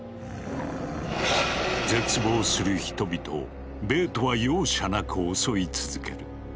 絶望する人々をベートは容赦なく襲い続ける。